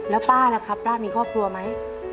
แล้วป้าล่ะครับป้ามีครอบครัวไหม